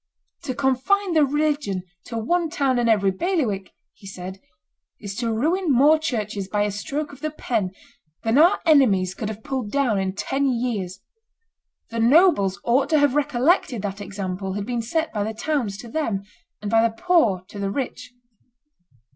"To confine the religion to one town in every bailiwick," he said, "is to ruin more churches by a stroke of the pen than our enemies could have pulled down in ten years; the nobles ought to have recollected that example had been set by the towns to them, and by the poor to the rich."